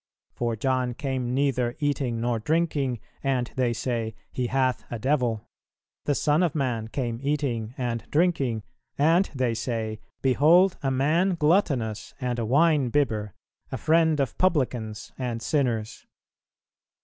For John came neither eating nor drinking, and they say, He hath a devil. The Son of man came eating and drinking, and they say, Behold a man gluttonous and a winebibber, a friend of publicans and sinners."